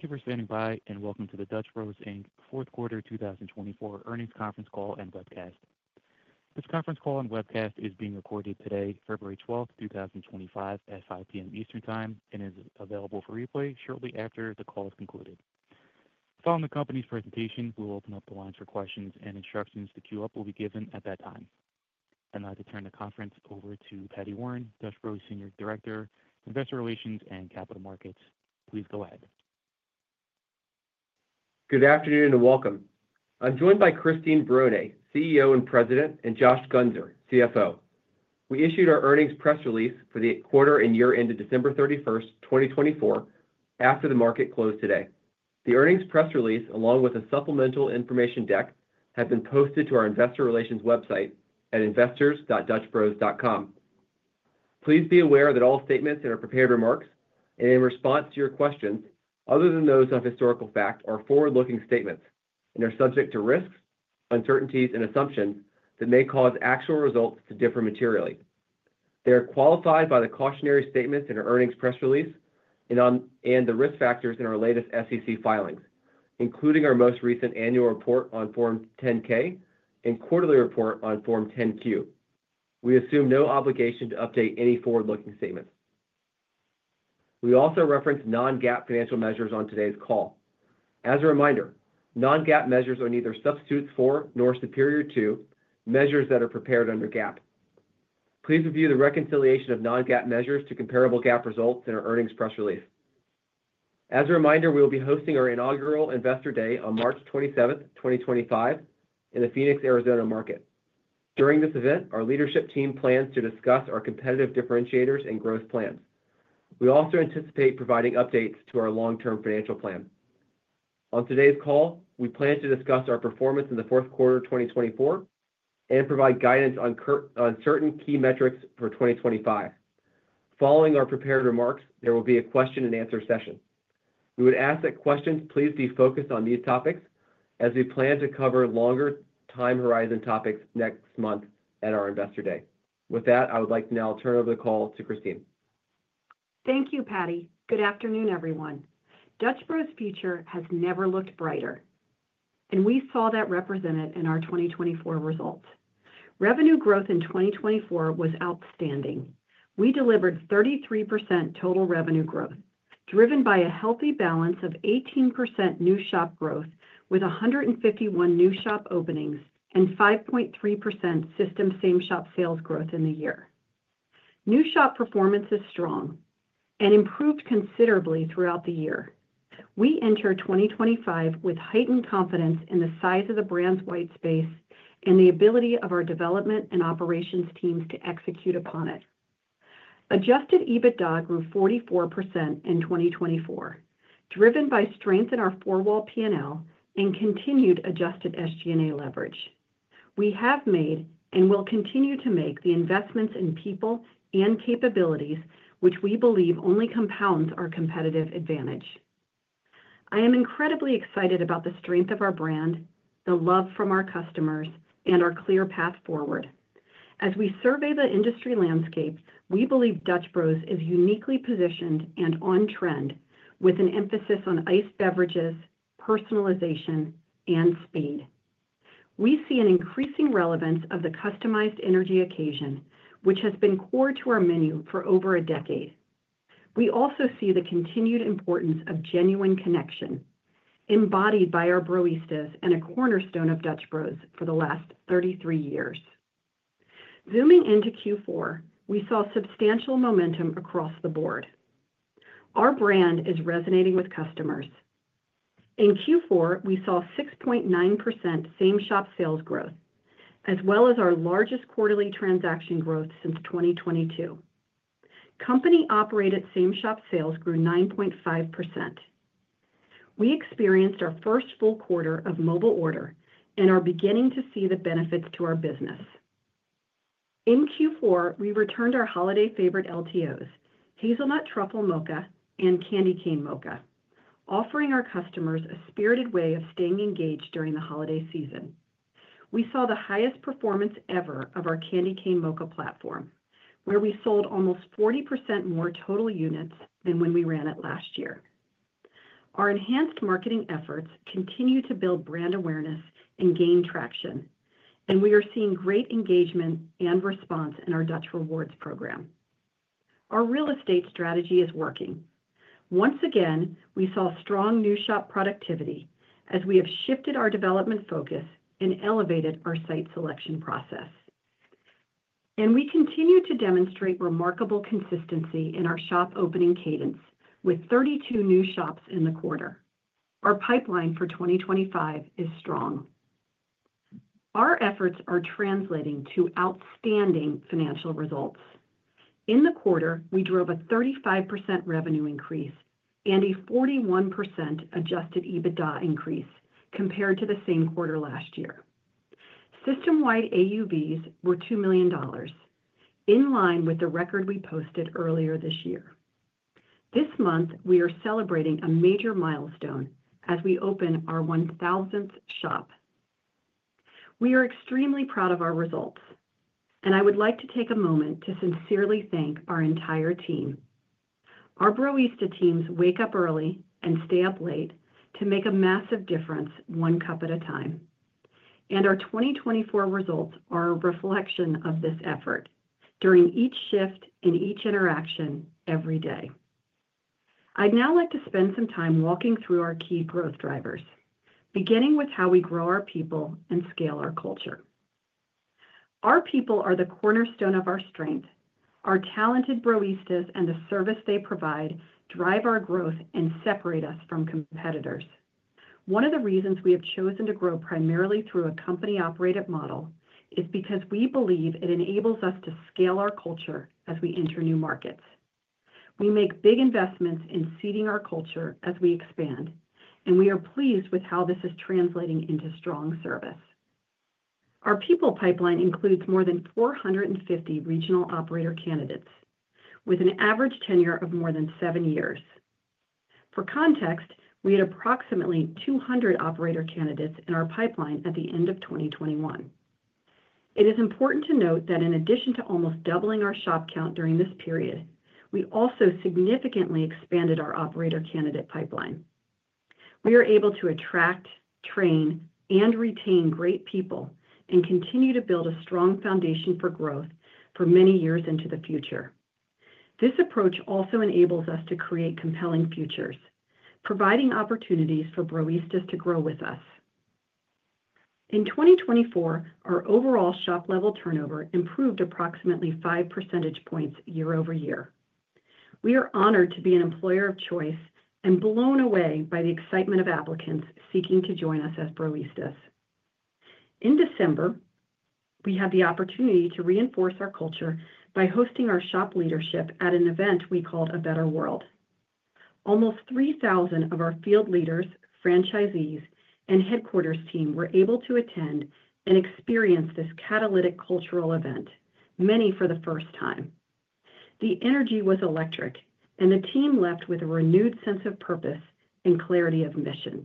Thank you for standing by and welcome to the Dutch Bros Inc. Fourth Q4 2024 Earnings Conference Call and Webcast. This conference call and webcast is being recorded today, February 12th, 2025, at 5:00 P.M. Eastern Time, and is available for replay shortly after the call is concluded. Following the company's presentation, we'll open up the lines for questions, and instructions to queue up will be given at that time. I'd like to turn the conference over to Paddy Warren, Dutch Bros Senior Director, Investor Relations and Capital Markets. Please go ahead. Good afternoon and welcome. I'm joined by Christine Barone, CEO and President, and Josh Guenser, CFO. We issued our earnings press release for the quarter and year-end of December 31st, 2024, after the market closed today. The earnings press release, along with a supplemental information deck, has been posted to our Investor Relations website at investors.dutchbros.com. Please be aware that all statements that are in our prepared remarks, and in response to your questions, other than those of historical fact, are forward-looking statements and are subject to risks, uncertainties, and assumptions that may cause actual results to differ materially. They are qualified by the cautionary statements in our earnings press release and the risk factors in our latest SEC filings, including our most recent annual report on Form 10-K and quarterly report on Form 10-Q. We assume no obligation to update any forward-looking statements. We also reference non-GAAP financial measures on today's call. As a reminder, non-GAAP measures are neither substitutes for nor superior to measures that are prepared under GAAP. Please review the reconciliation of non-GAAP measures to comparable GAAP results in our earnings press release. As a reminder, we will be hosting our inaugural Investor Day on March 27th, 2025, in the Phoenix, Arizona market. During this event, our leadership team plans to discuss our competitive differentiators and growth plans. We also anticipate providing updates to our long-term financial plan. On today's call, we plan to discuss our performance in the Q4 of 2024 and provide guidance on certain key metrics for 2025. Following our prepared remarks, there will be a question-and-answer session. We would ask that questions please be focused on these topics, as we plan to cover longer time horizon topics next month at our Investor Day. With that, I would like to now turn over the call to Christine. Thank you, Paddy. Good afternoon, everyone. Dutch Brosfuture has never looked brighter, and we saw that represented in our 2024 results. Revenue growth in 2024 was outstanding. We delivered 33% total revenue growth, driven by a healthy balance of 18% new shop growth with 151 new shop openings and 5.3% system same shop sales growth in the year. New shop performance is strong and improved considerably throughout the year. We enter 2025 with heightened confidence in the size of the brand's white space and the ability of our development and operations teams to execute upon it. Adjusted EBITDA grew 44% in 2024, driven by strength in our four-wall P&L and continued adjusted SG&A leverage. We have made and will continue to make the investments in people and capabilities, which we believe only compounds our competitive advantage. I am incredibly excited about the strength of our brand, the love from our customers, and our clear path forward. As we survey the industry landscape, we believe Dutch Bros is uniquely positioned and on trend with an emphasis on iced beverages, personalization, and speed. We see an increasing relevance of the customized energy occasion, which has been core to our menu for over a decade. We also see the continued importance of genuine connection, embodied by our Browistas and a cornerstone of Dutch Bros for the last 33 years. Zooming into Q4, we saw substantial momentum across the board. Our brand is resonating with customers. In Q4, we saw 6.9% same shop sales growth, as well as our largest quarterly transaction growth since 2022. Company-operated same shop sales grew 9.5%. We experienced our first full quarter of mobile order and are beginning to see the benefits to our business. In Q4, we returned our holiday favorite LTOs, Hazelnut Truffle Mocha and Candy Cane Mocha, offering our customers a spirited way of staying engaged during the holiday season. We saw the highest performance ever of our Candy Cane Mocha platform, where we sold almost 40% more total units than when we ran it last year. Our enhanced marketing efforts continue to build brand awareness and gain traction, and we are seeing great engagement and response in our Dutch Rewards program. Our real estate strategy is working. Once again, we saw strong new shop productivity as we have shifted our development focus and elevated our site selection process. And we continue to demonstrate remarkable consistency in our shop opening cadence with 32 new shops in the quarter. Our pipeline for 2025 is strong. Our efforts are translating to outstanding financial results. In the quarter, we drove a 35% revenue increase and a 41% Adjusted EBITDA increase compared to the same quarter last year. System-wide AUVs were $2 million, in line with the record we posted earlier this year. This month, we are celebrating a major milestone as we open our 1,000th shop. We are extremely proud of our results, and I would like to take a moment to sincerely thank our entire team. Our Research teams wake up early and stay up late to make a massive difference, one cup at a time, and our 2024 results are a reflection of this effort during each shift and each interaction every day. I'd now like to spend some time walking through our key growth drivers, beginning with how we grow our people and scale our culture. Our people are the cornerstone of our strength. Our talented Browistas and the service they provide drive our growth and separate us from competitors. One of the reasons we have chosen to grow primarily through a company-operated model is because we believe it enables us to scale our culture as we enter new markets. We make big investments in seeding our culture as we expand, and we are pleased with how this is translating into strong service. Our people pipeline includes more than 450 regional operator candidates with an average tenure of more than seven years. For context, we had approximately 200 operator candidates in our pipeline at the end of 2021. It is important to note that in addition to almost doubling our shop count during this period, we also significantly expanded our operator candidate pipeline. We are able to attract, train, and retain great people and continue to build a strong foundation for growth for many years into the future. This approach also enables us to create compelling futures, providing opportunities for Browistas to grow with us. In 2024, our overall shop-level turnover improved approximately 5 percentage points year-over-year. We are honored to be an employer of choice and blown away by the excitement of applicants seeking to join us as Browistas. In December, we had the opportunity to reinforce our culture by hosting our shop leadership at an event we called A Better World. Almost 3,000 of our field leaders, franchisees, and headquarters team were able to attend and experience this catalytic cultural event, many for the first time. The energy was electric, and the team left with a renewed sense of purpose and clarity of mission.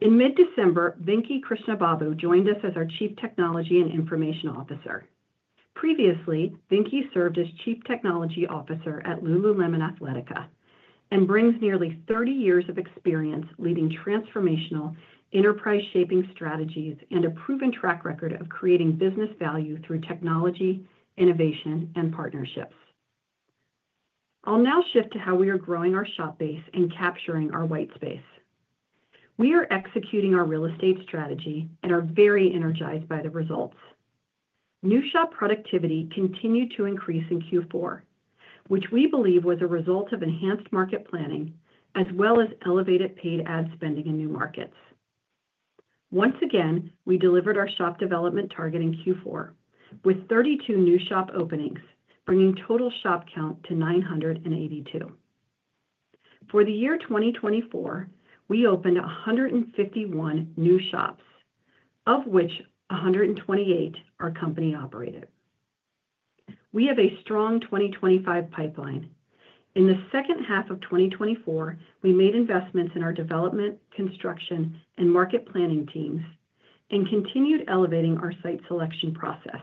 In mid-December, Vinky Krishnababu joined us as our Chief Technology and Information Officer. Previously, Vinky served as Chief Technology Officer at Lululemon Athletica and brings nearly 30 years of experience leading transformational, enterprise-shaping strategies and a proven track record of creating business value through technology, innovation, and partnerships. I'll now shift to how we are growing our shop base and capturing our white space. We are executing our real estate strategy and are very energized by the results. New shop productivity continued to increase in Q4, which we believe was a result of enhanced market planning as well as elevated paid ad spending in new markets. Once again, we delivered our shop development target in Q4 with 32 new shop openings, bringing total shop count to 982. For the year 2024, we opened 151 new shops, of which 128 are company-operated. We have a strong 2025 pipeline. In the second half of 2024, we made investments in our development, construction, and market planning teams and continued elevating our site selection process.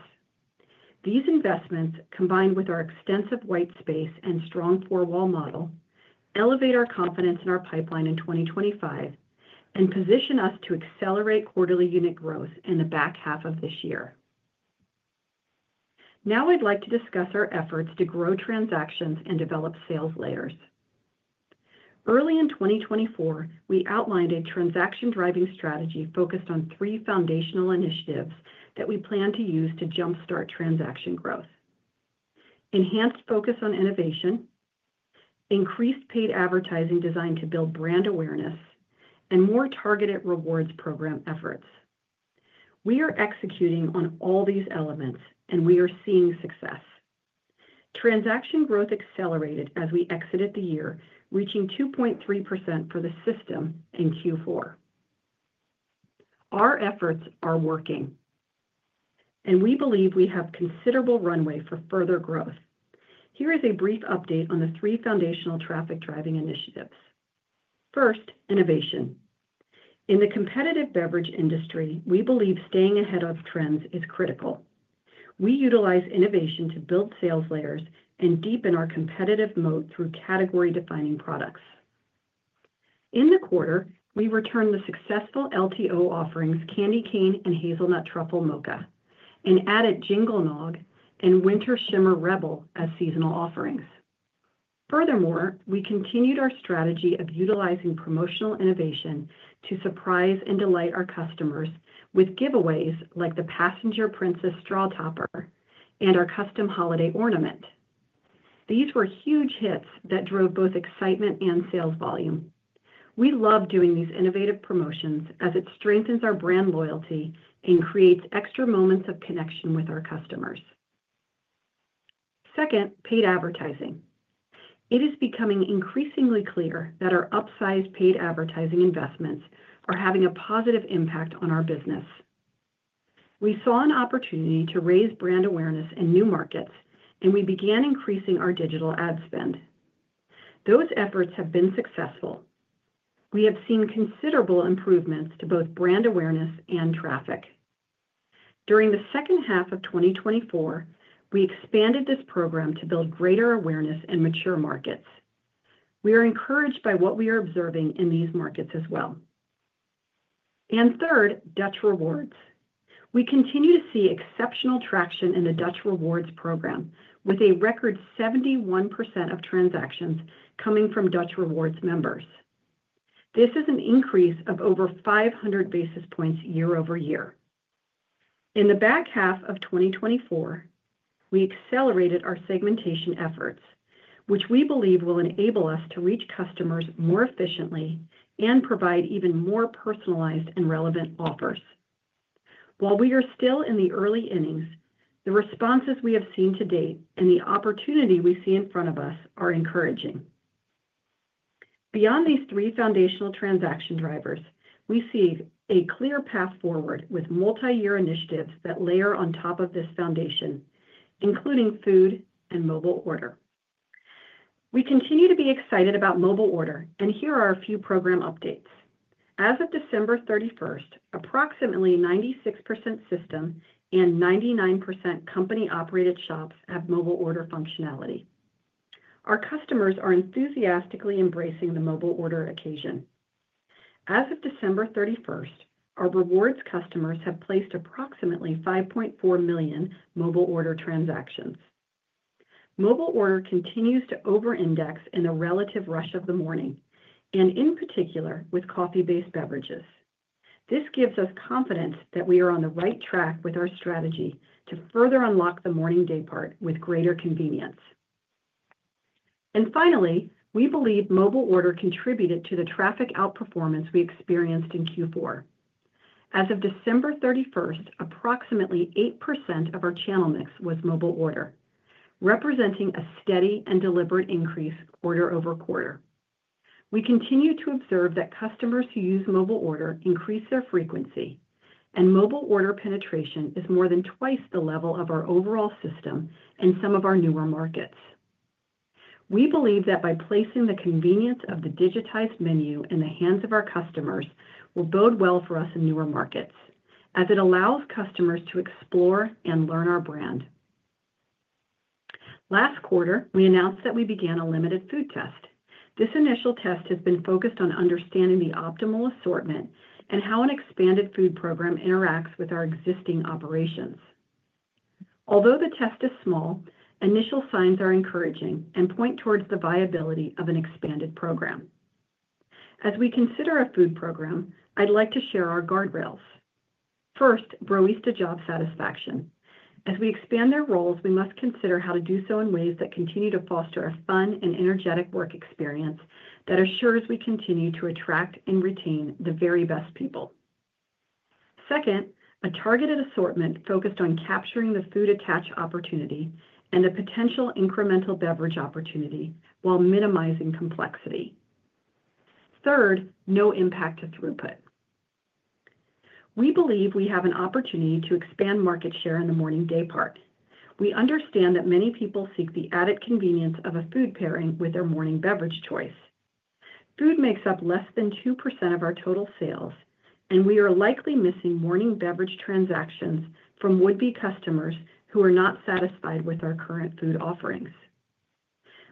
These investments, combined with our extensive white space and strong four-wall model, elevate our confidence in our pipeline in 2025 and position us to accelerate quarterly unit growth in the back half of this year. Now I'd like to discuss our efforts to grow transactions and develop sales layers. Early in 2024, we outlined a transaction-driving strategy focused on three foundational initiatives that we plan to use to jump-start transaction growth: enhanced focus on innovation, increased paid advertising designed to build brand awareness, and more targeted rewards program efforts. We are executing on all these elements, and we are seeing success. Transaction growth accelerated as we exited the year, reaching 2.3% for the system in Q4. Our efforts are working, and we believe we have considerable runway for further growth. Here is a brief update on the three foundational traffic-driving initiatives. First, innovation. In the competitive beverage industry, we believe staying ahead of trends is critical. We utilize innovation to build sales layers and deepen our competitive moat through category-defining products. In the quarter, we returned the successful LTO offerings Candy Cane and Hazelnut Truffle Mocha and added Jingle Nog and Winter Shimmer Rebel as seasonal offerings. Furthermore, we continued our strategy of utilizing promotional innovation to surprise and delight our customers with giveaways like the Passenger Princess Straw Topper and our custom holiday ornament. These were huge hits that drove both excitement and sales volume. We love doing these innovative promotions as it strengthens our brand loyalty and creates extra moments of connection with our customers. Second, paid advertising. It is becoming increasingly clear that our upsized paid advertising investments are having a positive impact on our business. We saw an opportunity to raise brand awareness in new markets, and we began increasing our digital ad spend. Those efforts have been successful. We have seen considerable improvements to both brand awareness and traffic. During the second half of 2024, we expanded this program to build greater awareness in mature markets. We are encouraged by what we are observing in these markets as well. And third, Dutch Rewards. We continue to see exceptional traction in the Dutch Rewards program, with a record 71% of transactions coming from Dutch Rewards members. This is an increase of over 500 basis points year-over-year. In the back half of 2024, we accelerated our segmentation efforts, which we believe will enable us to reach customers more efficiently and provide even more personalized and relevant offers. While we are still in the early innings, the responses we have seen to date and the opportunity we see in front of us are encouraging. Beyond these three foundational transaction drivers, we see a clear path forward with multi-year initiatives that layer on top of this foundation, including food and mobile order. We continue to be excited about mobile order, and here are a few program updates. As of December 31st, approximately 96% system and 99% company-operated shops have mobile order functionality. Our customers are enthusiastically embracing the mobile order occasion. As of December 31st, our Browista customers have placed approximately 5.4 million mobile order transactions. Mobile order continues to over-index in the relative rush of the morning, and in particular with coffee-based beverages. This gives us confidence that we are on the right track with our strategy to further unlock the morning day part with greater convenience. And finally, we believe mobile order contributed to the traffic outperformance we experienced in Q4. As of December 31st, approximately 8% of our channel mix was mobile order, representing a steady and deliberate increase quarter over quarter. We continue to observe that customers who use mobile order increase their frequency, and mobile order penetration is more than twice the level of our overall system in some of our newer markets. We believe that by placing the convenience of the digitized menu in the hands of our customers will bode well for us in newer markets, as it allows customers to explore and learn our brand. Last quarter, we announced that we began a limited food test. This initial test has been focused on understanding the optimal assortment and how an expanded food program interacts with our existing operations. Although the test is small, initial signs are encouraging and point towards the viability of an expanded program. As we consider a food program, I'd like to share our guardrails. First, Browista job satisfaction. As we expand their roles, we must consider how to do so in ways that continue to foster a fun and energetic work experience that ensures we continue to attract and retain the very best people. Second, a targeted assortment focused on capturing the food attach opportunity and the potential incremental beverage opportunity while minimizing complexity. Third, no impact to throughput. We believe we have an opportunity to expand market share in the morning day part. We understand that many people seek the added convenience of a food pairing with their morning beverage choice. Food makes up less than 2% of our total sales, and we are likely missing morning beverage transactions from would-be customers who are not satisfied with our current food offerings.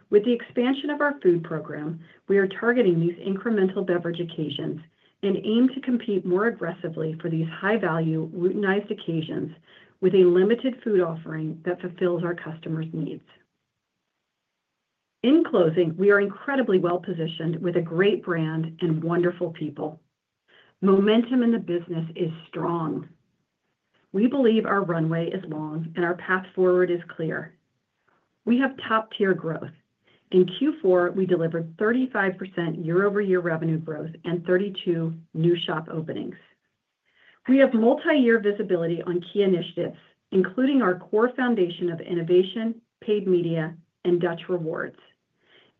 With the expansion of our food program, we are targeting these incremental beverage occasions and aim to compete more aggressively for these high-value, routinized occasions with a limited food offering that fulfills our customers' needs. In closing, we are incredibly well-positioned with a great brand and wonderful people. Momentum in the business is strong. We believe our runway is long and our path forward is clear. We have top-tier growth. In Q4, we delivered 35% year-over-year revenue growth and 32 new shop openings. We have multi-year visibility on key initiatives, including our core foundation of innovation, paid media, and Dutch Rewards,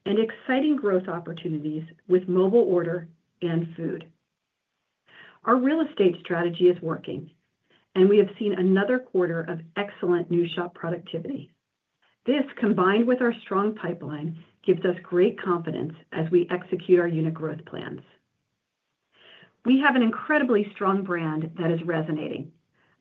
and exciting growth opportunities with mobile order and food. Our real estate strategy is working, and we have seen another quarter of excellent new shop productivity. This, combined with our strong pipeline, gives us great confidence as we execute our unit growth plans. We have an incredibly strong brand that is resonating.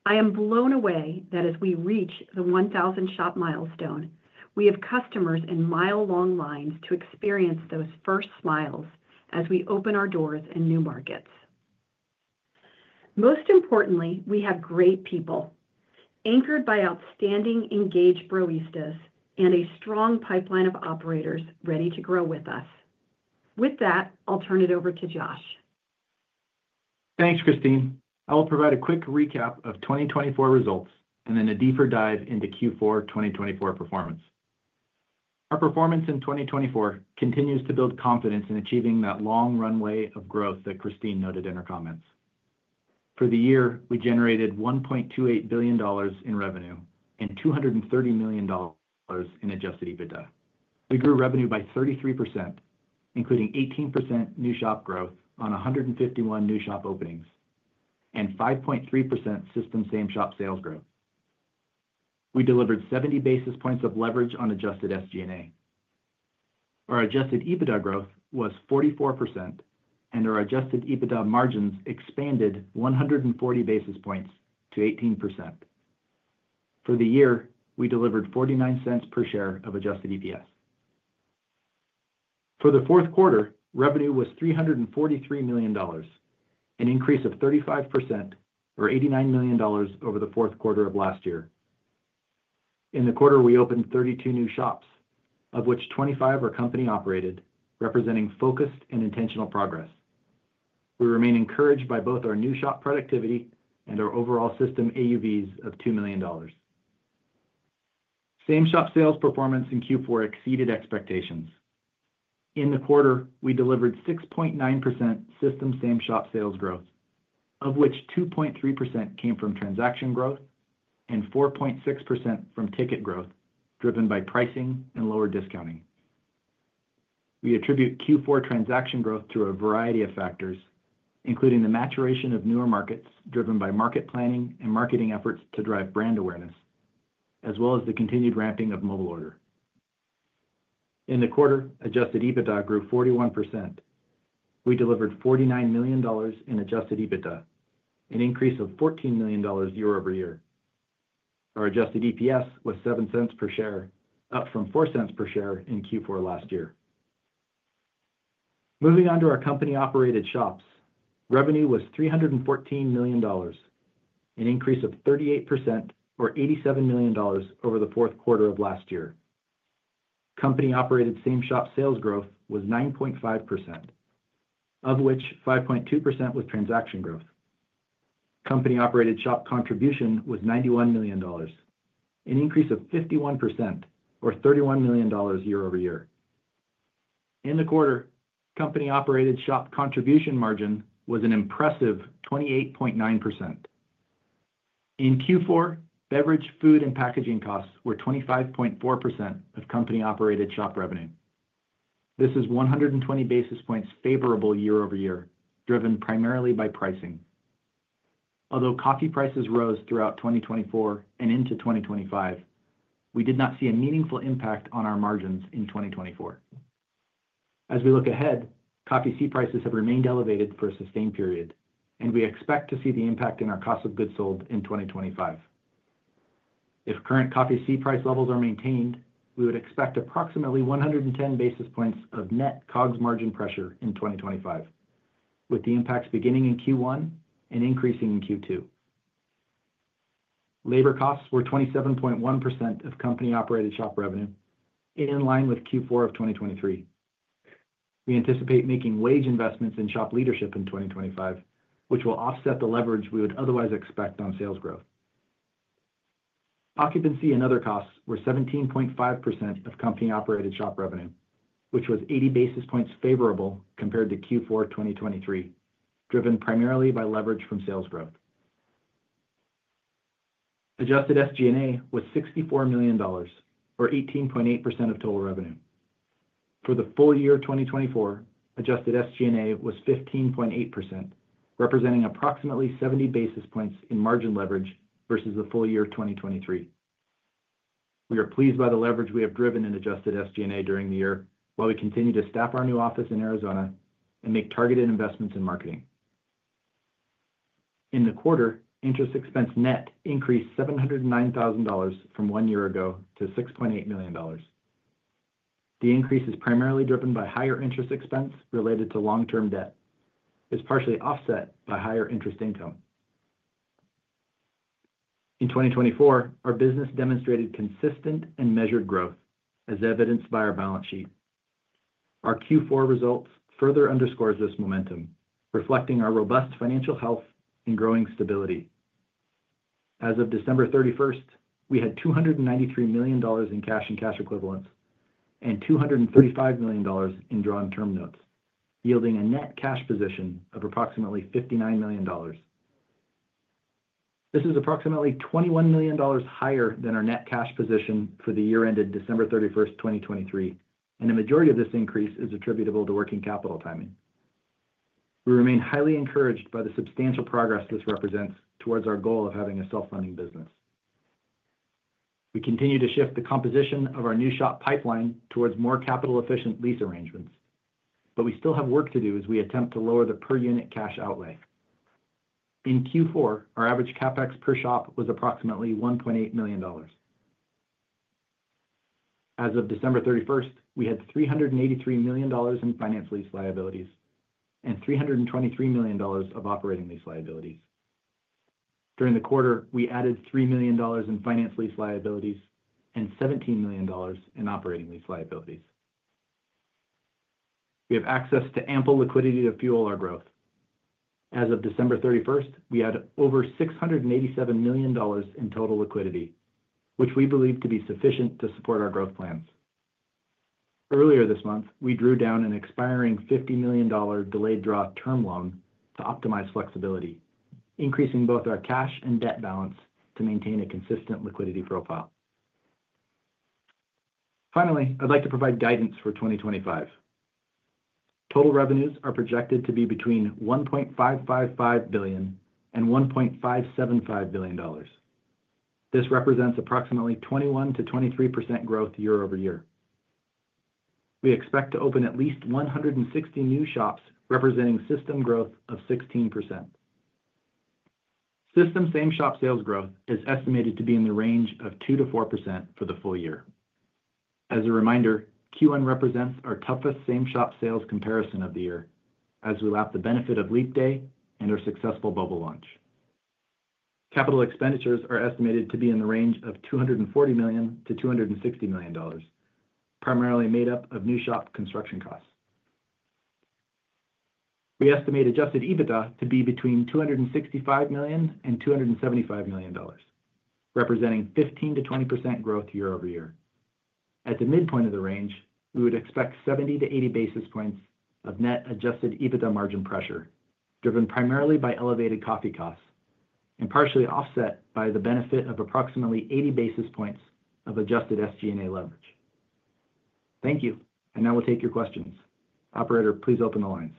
I am blown away that as we reach the 1,000-shop milestone, we have customers in mile-long lines to experience those first smiles as we open our doors in new markets. Most importantly, we have great people anchored by outstanding engaged Browistas and a strong pipeline of operators ready to grow with us. With that, I'll turn it over to Josh. Thanks, Christine. I will provide a quick recap of 2024 results and then a deeper dive into Q4 2024 performance. Our performance in 2024 continues to build confidence in achieving that long runway of growth that Christine noted in her comments. For the year, we generated $1.28 billion in revenue and $230 million in adjusted EBITDA. We grew revenue by 33%, including 18% new shop growth on 151 new shop openings and 5.3% system same shop sales growth. We delivered 70 basis points of leverage on adjusted SG&A. Our adjusted EBITDA growth was 44%, and our adjusted EBITDA margins expanded 140 basis points to 18%. For the year, we delivered $0.49 per share of adjusted EPS. For the Q4, revenue was $343 million, an increase of 35% or $89 million over the Q4 of last year. In the quarter, we opened 32 new shops, of which 25 are company-operated, representing focused and intentional progress. We remain encouraged by both our new shop productivity and our overall system AUVs of $2 million. Same shop sales performance in Q4 exceeded expectations. In the quarter, we delivered 6.9% system same shop sales growth, of which 2.3% came from transaction growth and 4.6% from ticket growth driven by pricing and lower discounting. We attribute Q4 transaction growth to a variety of factors, including the maturation of newer markets driven by market planning and marketing efforts to drive brand awareness, as well as the continued ramping of mobile order. In the quarter, adjusted EBITDA grew 41%. We delivered $49 million in adjusted EBITDA, an increase of $14 million year-over-year. Our adjusted EPS was $0.07 per share, up from $0.04 per share in Q4 last year. Moving on to our company-operated shops, revenue was $314 million, an increase of 38% or $87 million over the Q4 of last year. Company-operated same shop sales growth was 9.5%, of which 5.2% was transaction growth. Company-operated shop contribution was $91 million, an increase of 51% or $31 million year-over-year. In the quarter, company-operated shop contribution margin was an impressive 28.9%. In Q4, beverage, food, and packaging costs were 25.4% of company-operated shop revenue. This is 120 basis points favorable year-over-year, driven primarily by pricing. Although coffee prices rose throughout 2024 and into 2025, we did not see a meaningful impact on our margins in 2024. As we look ahead, coffee C prices have remained elevated for a sustained period, and we expect to see the impact in our cost of goods sold in 2025. If current coffee C price levels are maintained, we would expect approximately 110 basis points of net COGS margin pressure in 2025, with the impacts beginning in Q1 and increasing in Q2. Labor costs were 27.1% of company-operated shop revenue, in line with Q4 of 2023. We anticipate making wage investments in shop leadership in 2025, which will offset the leverage we would otherwise expect on sales growth. Occupancy and other costs were 17.5% of company-operated shop revenue, which was 80 basis points favorable compared to Q4 2023, driven primarily by leverage from sales growth. Adjusted SG&A was $64 million or 18.8% of total revenue. For the full year 2024, adjusted SG&A was 15.8%, representing approximately 70 basis points in margin leverage versus the full year 2023. We are pleased by the leverage we have driven in Adjusted SG&A during the year while we continue to staff our new office in Arizona and make targeted investments in marketing. In the quarter, interest expense net increased $709,000 from one year ago to $6.8 million. The increase is primarily driven by higher interest expense related to long-term debt. It's partially offset by higher interest income. In 2024, our business demonstrated consistent and measured growth, as evidenced by our balance sheet. Our Q4 results further underscore this momentum, reflecting our robust financial health and growing stability. As of December 31st, we had $293 million in cash and cash equivalents and $235 million in drawn term notes, yielding a net cash position of approximately $59 million. This is approximately $21 million higher than our net cash position for the year ended 31 December, 2023, and the majority of this increase is attributable to working capital timing. We remain highly encouraged by the substantial progress this represents towards our goal of having a self-funding business. We continue to shift the composition of our new shop pipeline towards more capital-efficient lease arrangements, but we still have work to do as we attempt to lower the per-unit cash outlay. In Q4, our average CapEx per shop was approximately $1.8 million. As of December 31st, we had $383 million in finance lease liabilities and $323 million of operating lease liabilities. During the quarter, we added $3 million in finance lease liabilities and $17 million in operating lease liabilities. We have access to ample liquidity to fuel our growth. As of December 31st, we had over $687 million in total liquidity, which we believe to be sufficient to support our growth plans. Earlier this month, we drew down an expiring $50 million delayed draw term loan to optimize flexibility, increasing both our cash and debt balance to maintain a consistent liquidity profile. Finally, I'd like to provide guidance for 2025. Total revenues are projected to be between $1.555 billion and $1.575 billion. This represents 21 to 23% growth year-over-year. We expect to open at least 160 new shops, representing system growth of 16%. System same shop sales growth is estimated to be in the range of 2 to 4% for the full year. As a reminder, Q1 represents our toughest same shop sales comparison of the year, as we lap the benefit of Leap Day and our successful Bubble Launch. Capital expenditures are estimated to be in the range of $240 to 260 million, primarily made up of new shop construction costs. We estimate Adjusted EBITDA to be between $265 million and $275 million, representing 15 to 20% growth year-over-year. At the midpoint of the range, we would expect 70 to 80 basis points of net Adjusted EBITDA margin pressure, driven primarily by elevated coffee costs and partially offset by the benefit of approximately 80 basis points of Adjusted SG&A leverage. Thank you, and now we'll take your questions. Operator, please open the lines.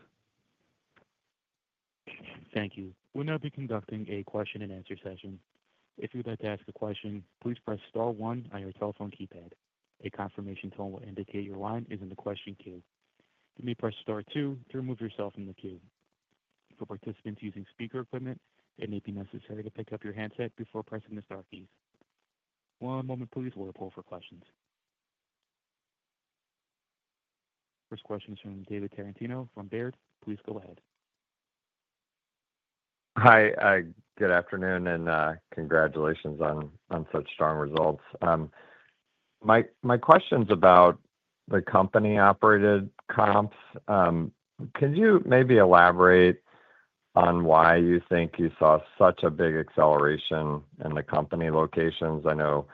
Thank you. We'll now be conducting a question-and-answer session. If you'd like to ask a question, please press Star one on your telephone keypad. A confirmation tone will indicate your line is in the question queue. You may press Star two to remove yourself from the queue. For participants using speaker equipment, it may be necessary to pick up your handset before pressing the Star keys. One moment, please. We'll poll for questions. First question is from David Tarantino from Baird. Please go ahead. Hi, good afternoon, and congratulations on such strong results. My question's about the company-operated comps. Could you maybe elaborate on why you think you saw such a big acceleration in the company locations? I know,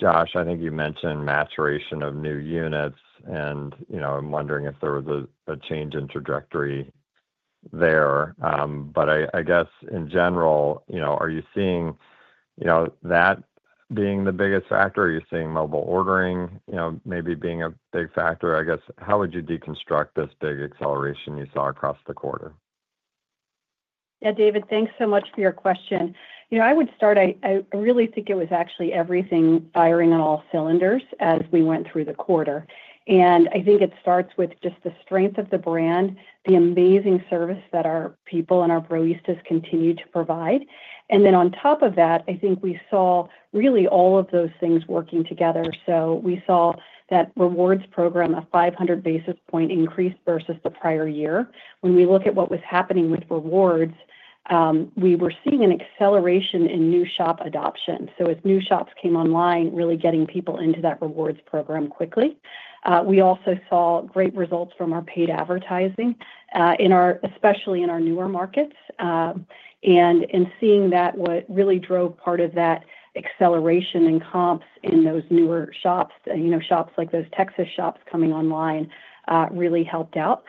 Josh, I think you mentioned maturation of new units, and I'm wondering if there was a change in trajectory there. But I guess, in general, are you seeing that being the biggest factor? Are you seeing mobile ordering maybe being a big factor? I guess, how would you deconstruct this big acceleration you saw across the quarter?. Yeah, David, thanks so much for your question. I would start. I really think it was actually everything firing on all cylinders as we went through the quarter. And I think it starts with just the strength of the brand, the amazing service that our people and our Browistas continue to provide. And then on top of that, I think we saw really all of those things working together. So we saw that rewards program, a 500 basis point increase versus the prior year. When we look at what was happening with rewards, we were seeing an acceleration in new shop adoption. So as new shops came online, really getting people into that rewards program quickly. We also saw great results from our paid advertising, especially in our newer markets. And in seeing that, what really drove part of that acceleration in comps in those newer shops, shops like those Texas shops coming online, really helped out.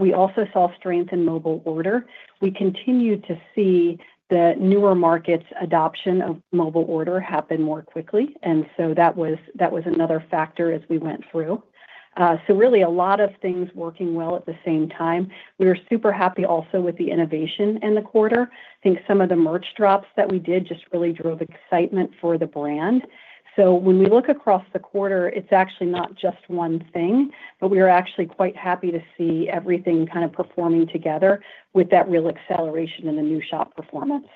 We also saw strength in mobile order. We continued to see the newer markets' adoption of mobile order happen more quickly. And so that was another factor as we went through. So really, a lot of things working well at the same time. We were super happy also with the innovation in the quarter. I think some of the merch drops that we did just really drove excitement for the brand. So when we look across the quarter, it's actually not just one thing, but we were actually quite happy to see everything kind of performing together with that real acceleration in the new shop performance.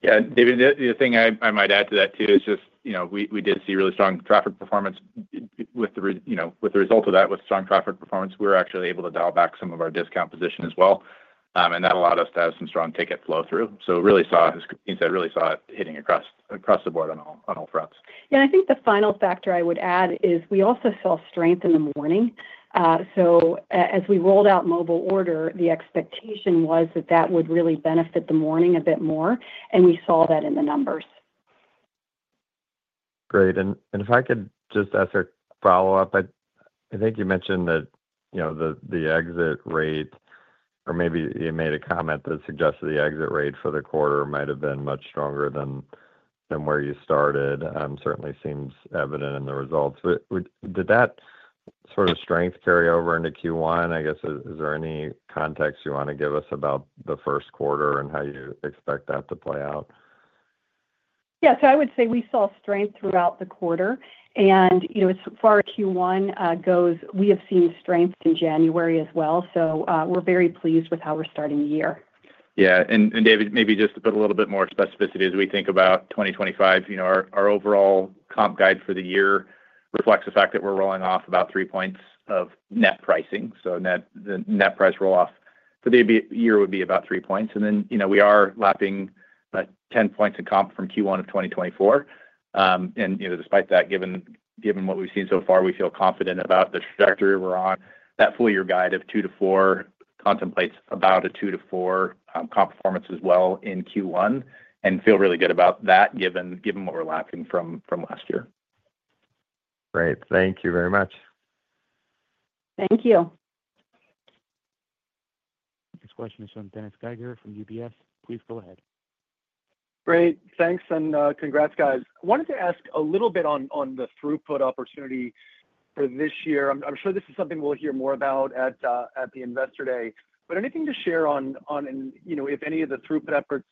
Yeah, David, the thing I might add to that too is just we did see really strong traffic performance. With the result of that, with strong traffic performance, we were actually able to dial back some of our discount position as well. That allowed us to have some strong ticket flow through. It really saw, I mean, I really saw it hitting across the board on all fronts. Yeah, I think the final factor I would add is we also saw strength in the morning. As we rolled out mobile order, the expectation was that that would really benefit the morning a bit more. We saw that in the numbers. Great. If I could just ask a follow-up, I think you mentioned that the exit rate, or maybe you made a comment that suggested the exit rate for the quarter might have been much stronger than where you started. Certainly seems evident in the results. Did that sort of strength carry over into Q1? I guess, is there any context you want to give us about the first quarter and how you expect that to play out?. Yeah, so I would say we saw strength throughout the quarter. And as far as Q1 goes, we have seen strength in January as well. So we're very pleased with how we're starting the year. Yeah. And David, maybe just to put a little bit more specificity as we think about 2025, our overall comp guide for the year reflects the fact that we're rolling off about three points of net pricing. So the net price roll-off for the year would be about three points. And then we are lapping 10 points in comp from Q1 of 2024. And despite that, given what we've seen so far, we feel confident about the trajectory we're on. That full-year guide of two to four contemplates about a two to four comp performance as well in Q1 and feel really good about that given what we're lapping from last year. Great. Thank you very much. Thank you. Next question is from Dennis Geiger from UBS. Please go ahead. Great. Thanks, and congrats, guys. I wanted to ask a little bit on the throughput opportunity for this year. I'm sure this is something we'll hear more about at the Investor Day. But anything to share on if any of the throughput efforts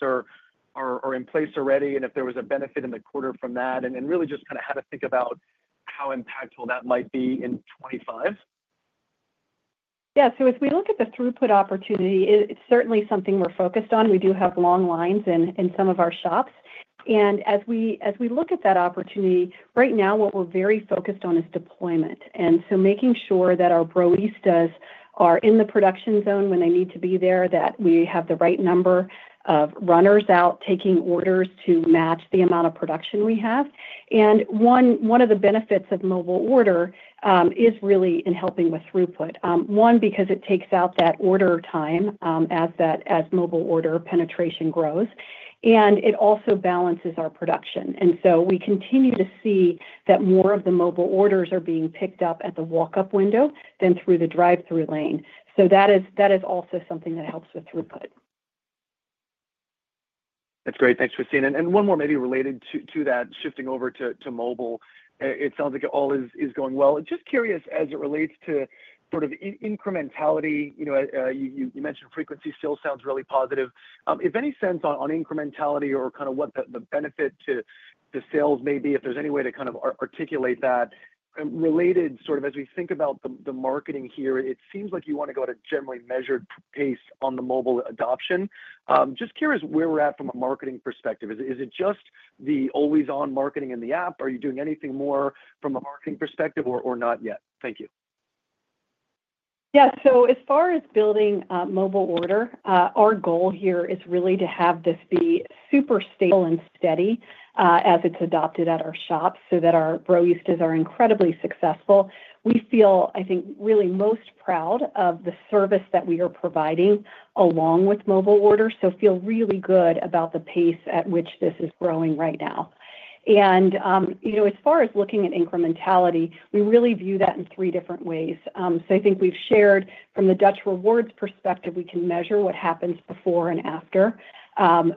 are in place already and if there was a benefit in the quarter from that, and really just kind of how to think about how impactful that might be in 2025?. Yeah. So as we look at the throughput opportunity, it's certainly something we're focused on. We do have long lines in some of our shops. And as we look at that opportunity, right now, what we're very focused on is deployment. And so, making sure that our Browistas are in the production zone when they need to be there, that we have the right number of runners out taking orders to match the amount of production we have. And one of the benefits of mobile order is really in helping with throughput. One, because it takes out that order time as mobile order penetration grows, and it also balances our production. And so we continue to see that more of the mobile orders are being picked up at the walk-up window than through the drive-through lane. So that is also something that helps with throughput. That's great. Thanks, Christine. And one more maybe related to that, shifting over to mobile. It sounds like it all is going well. Just curious, as it relates to sort of incrementality, you mentioned frequency still sounds really positive. If any sense on incrementality or kind of what the benefit to sales may be, if there's any way to kind of articulate that. Related, sort of as we think about the marketing here, it seems like you want to go at a generally measured pace on the mobile adoption. Just curious where we're at from a marketing perspective. Is it just the always-on marketing in the app? Are you doing anything more from a marketing perspective or not yet? Thank you. Yeah. So as far as building mobile order, our goal here is really to have this be super stable and steady as it's adopted at our shops so that our Browistas are incredibly successful. We feel, I think, really most proud of the service that we are providing along with mobile order, so feel really good about the pace at which this is growing right now. And as far as looking at incrementality, we really view that in three different ways. So I think we've shared from the Dutch Rewards perspective, we can measure what happens before and after. As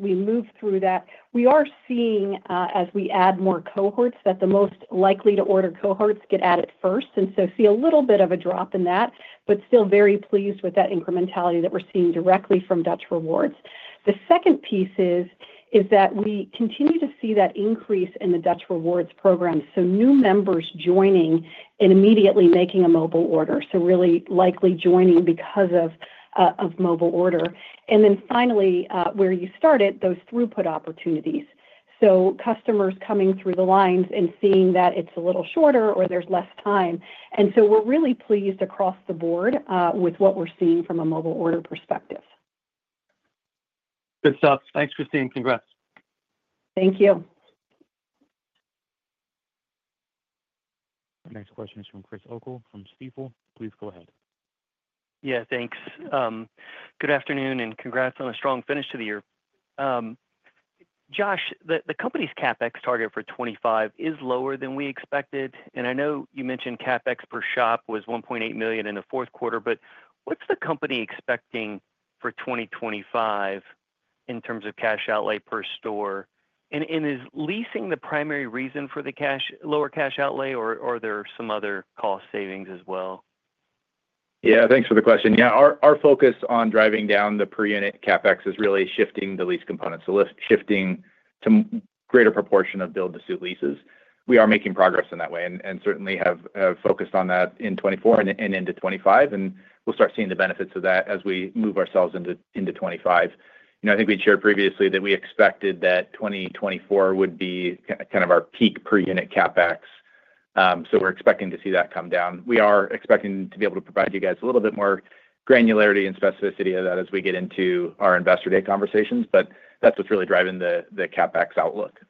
we move through that, we are seeing, as we add more cohorts, that the most likely-to-order cohorts get added first. And so see a little bit of a drop in that, but still very pleased with that incrementality that we're seeing directly from Dutch Rewards. The second piece is that we continue to see that increase in the Dutch Rewards program. So new members joining and immediately making a Mobile Order, so really likely joining because of Mobile Order. And then finally, where you started, those throughput opportunities. So customers coming through the lines and seeing that it's a little shorter or there's less time. And so we're really pleased across the board with what we're seeing from a Mobile Order perspective. Good stuff. Thanks, Christine. Congrats. Thank you. Next question is from Chris O'Cull from Stifel. Please go ahead. Yeah, thanks. Good afternoon and congrats on a strong finish to the year. Josh, the company's CapEx target for 2025 is lower than we expected. And I know you mentioned CapEx per shop was $1.8 million in the fourth quarter, but what's the company expecting for 2025 in terms of cash outlay per store? And is leasing the primary reason for the lower cash outlay, or are there some other cost savings as well? Yeah, thanks for the question. Yeah, our focus on driving down the per-unit CapEx is really shifting the leasing components, so shifting to a greater proportion of build-to-suit leases. We are making progress in that way and certainly have focused on that in 2024 and into 2025. And we'll start seeing the benefits of that as we move ourselves into 2025. I think we'd shared previously that we expected that 2024 would be kind of our peak per-unit CapEx. So we're expecting to see that come down. We are expecting to be able to provide you guys a little bit more granularity and specificity of that as we get into our Investor Day conversations, but that's what's really driving the CapEx outlook.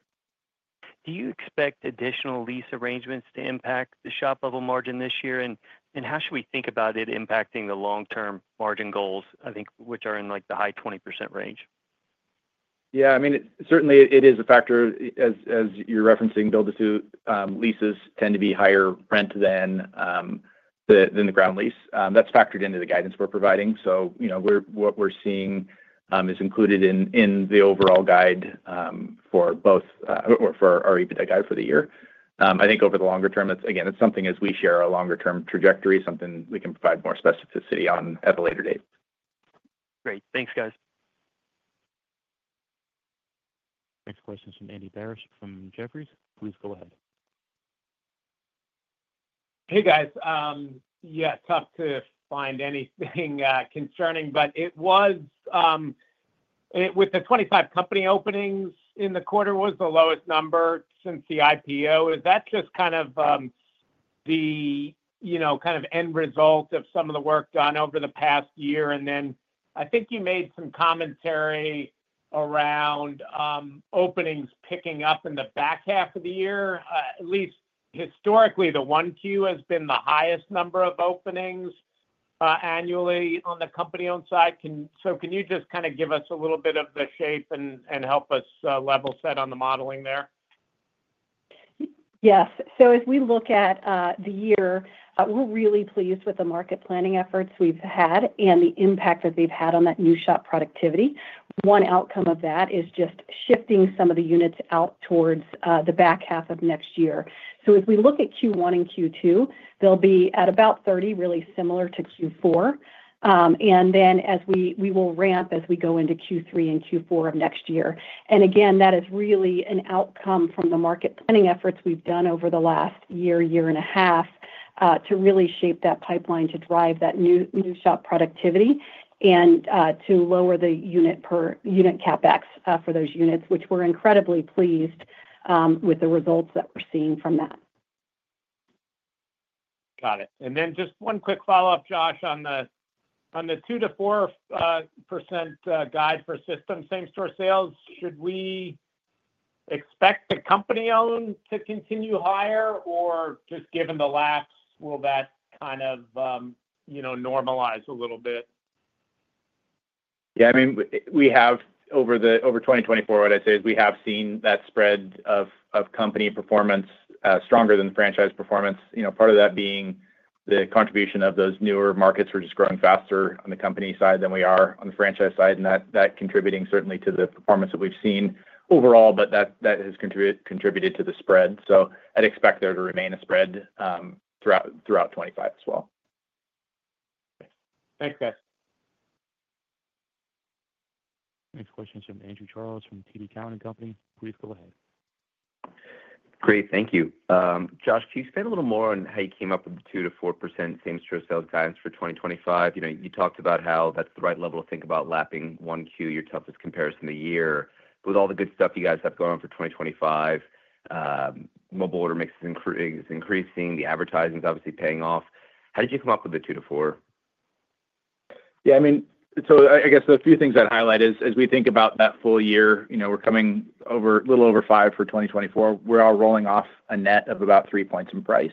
Do you expect additional lease arrangements to impact the shop-level margin this year? And how should we think about it impacting the long-term margin goals, I think, which are in the high 20% range?. Yeah, I mean, certainly it is a factor. As you're referencing, build-to-suit leases tend to be higher rent than the ground lease. That's factored into the guidance we're providing. So what we're seeing is included in the overall guide for both or for our EBITDA guide for the year. I think over the longer term, again, it's something as we share our longer-term trajectory, something we can provide more specificity on at a later date. Great. Thanks, guys. Next question is from Andy Barish from Jefferies. Please go ahead. Hey, guys. Yeah, tough to find anything concerning, but it was with the 25 company openings in the quarter, was the lowest number since the IPO. Is that just kind of the end result of some of the work done over the past year? And then I think you made some commentary around openings picking up in the back half of the year. At least historically, the Q1 has been the highest number of openings annually on the company-owned side. So can you just kind of give us a little bit of the shape and help us level set on the modeling there? Yes. So as we look at the year, we're really pleased with the market planning efforts we've had and the impact that they've had on that new shop productivity. One outcome of that is just shifting some of the units out towards the back half of next year. So as we look at Q1 and Q2, they'll be at about 30, really similar to Q4. And then we will ramp as we go into Q3 and Q4 of next year. And again, that is really an outcome from the market planning efforts we've done over the last year and a half to really shape that pipeline to drive that new shop productivity and to lower the unit CapEx for those units, which we're incredibly pleased with the results that we're seeing from that. Got it. And then just one quick follow-up, Josh, on the 2% to 4% guide for systemwide same-store sales, should we expect the company-owned to continue higher? Or just given the laps, will that kind of normalize a little bit? Yeah, I mean, over 2024, what I'd say is we have seen that spread of company performance stronger than franchise performance, part of that being the contribution of those newer markets we're just growing faster on the company side than we are on the franchise side. And that contributing certainly to the performance that we've seen overall, but that has contributed to the spread. So I'd expect there to remain a spread throughout 2025 as well. Thanks, guys. Next question is from Andrew Charles from TD Cowen. Please go ahead. Great. Thank you. Josh, can you expand a little more on how you came up with the 2 to 4% same-store sales guidance for 2025? You talked about how that's the right level to think about lapping one Q, your toughest comparison of the year. But with all the good stuff you guys have going on for 2025, mobile order mix is increasing, the advertising is obviously paying off. How did you come up with the 2 to .4%? Yeah, I mean, so I guess a few things I'd highlight is as we think about that full year, we're coming a little over five for 2024. We're all rolling off a net of about three points in price.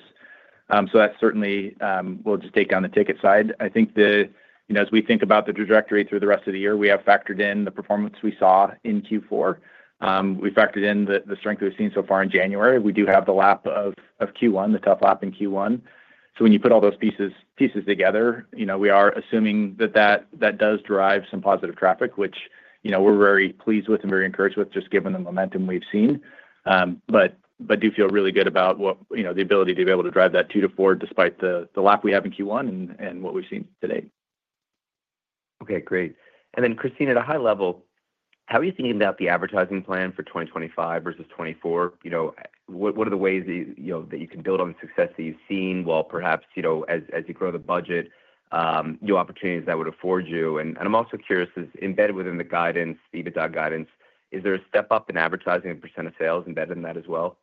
So that certainly will just take down the ticket side. I think as we think about the trajectory through the rest of the year, we have factored in the performance we saw in Q4. We factored in the strength we've seen so far in January. We do have the lap of Q1, the tough lap in Q1. So when you put all those pieces together, we are assuming that that does drive some positive traffic, which we're very pleased with and very encouraged with just given the momentum we've seen. But I do feel really good about the ability to be able to drive that 2 to 4 despite the lap we have in Q1 and what we've seen today. Okay, great. And then, Christine, at a high level, how are you thinking about the advertising plan for 2025 versus 2024? .What are the ways that you can build on the success that you've seen while perhaps as you grow the budget, new opportunities that would afford you.. And I'm also curious, embedded within the guidance, the EBITDA guidance, is there a step up in advertising and percentage of sales embedded in that as well?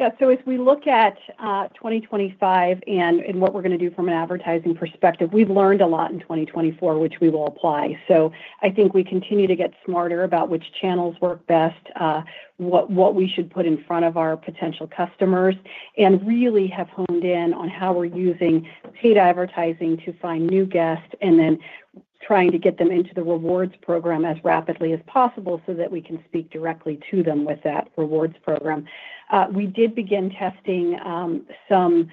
Yeah. So as we look at 2025 and what we're going to do from an advertising perspective, we've learned a lot in 2024, which we will apply. So I think we continue to get smarter about which channels work best, what we should put in front of our potential customers, and really have honed in on how we're using paid advertising to find new guests and then trying to get them into the rewards program as rapidly as possible so that we can speak directly to them with that rewards program. We did begin testing some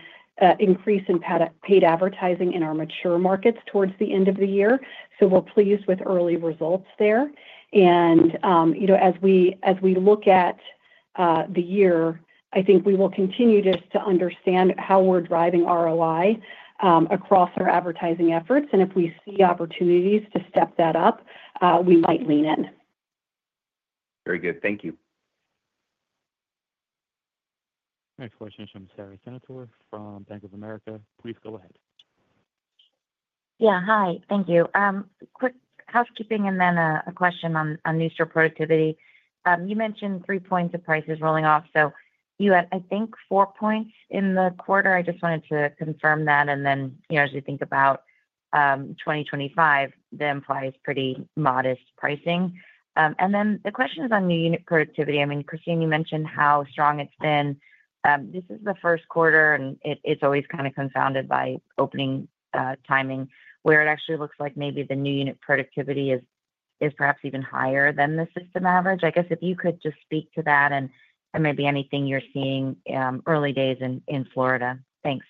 increase in paid advertising in our mature markets towards the end of the year. So we're pleased with early results there. And as we look at the year, I think we will continue just to understand how we're driving ROI across our advertising efforts. And if we see opportunities to step that up, we might lean in. Very good. Thank you. Next question is from Sara Senatore from Bank of America. Please go ahead. Yeah. Hi. Thank you. Quick housekeeping and then a question on new store productivity. You mentioned three points of prices rolling off. So you had, I think, four points in the quarter. I just wanted to confirm that. And then as we think about 2025, that implies pretty modest pricing. And then the question is on new unit productivity. I mean, Christine, you mentioned how strong it's been. This is the first quarter, and it's always kind of confounded by opening timing where it actually looks like maybe the new unit productivity is perhaps even higher than the system average. I guess if you could just speak to that and maybe anything you're seeing early days in Florida. Thanks.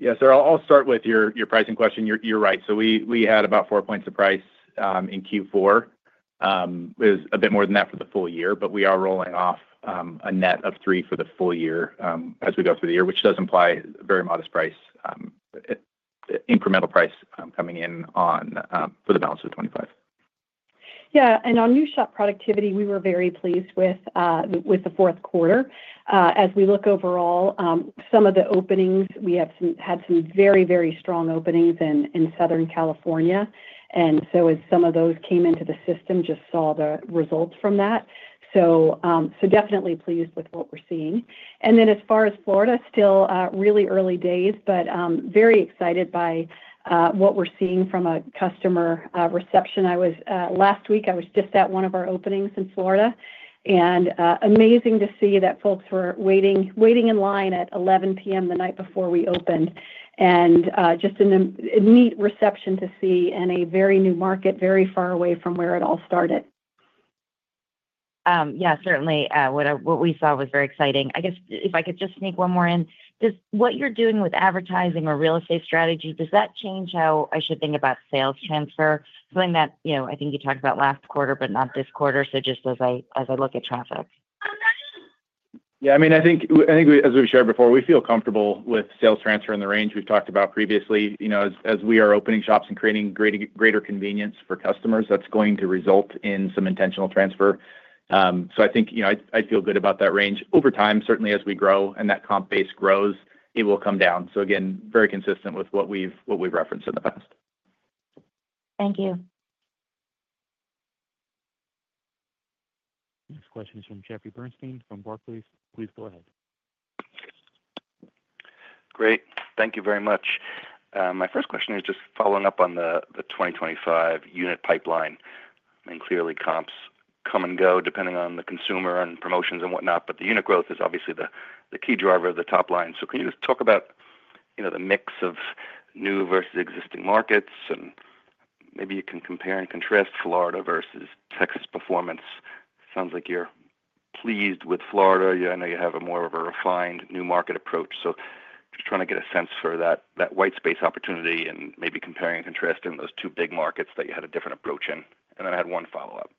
Yeah, so I'll start with your pricing question. You're right. So we had about four points of price in Q4. It was a bit more than that for the full year, but we are rolling off a net of three for the full year as we go through the year, which does imply very modest incremental price coming in for the balance of 2025. Yeah. And on new shop productivity, we were very pleased with the fourth quarter. As we look overall, some of the openings, we had some very, very strong openings in Southern California. And so as some of those came into the system, just saw the results from that. So definitely pleased with what we're seeing. And then as far as Florida, still really early days, but very excited by what we're seeing from a customer reception. Last week, I was just at one of our openings in Florida. And amazing to see that folks were waiting in line at 11:00 P.M. the night before we opened. And just a neat reception to see in a very new market, very far away from where it all started. Yeah, certainly what we saw was very exciting. I guess if I could just sneak one more in. Just what you're doing with advertising or real estate strategy, does that change how I should think about sales transfer? Something that I think you talked about last quarter, but not this quarter. So just as I look at traffic. Yeah, I mean, I think as we've shared before, we feel comfortable with sales transfer in the range we've talked about previously. As we are opening shops and creating greater convenience for customers, that's going to result in some intentional transfer. So I think I feel good about that range. Over time, certainly as we grow and that comp base grows, it will come down. So again, very consistent with what we've referenced in the past. Thank you. Next question is from Jeffrey Bernstein from Barclays. Please go ahead. Great. Thank you very much. My first question is just following up on the 2025 unit pipeline. I mean, clearly comps come and go depending on the consumer and promotions and whatnot, but the unit growth is obviously the key driver of the top line. So can you just talk about the mix of new versus existing markets? And maybe you can compare and contrast Florida versus Texas performance. Sounds like you're pleased with Florida. I know you have more of a refined new market approach. So just trying to get a sense for that white space opportunity and maybe comparing and contrasting those two big markets that you had a different approach in. And then I had one follow-up. So